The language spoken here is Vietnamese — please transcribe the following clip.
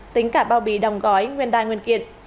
tính cả bao bì đồng gói nguyên đai nguyên kiệt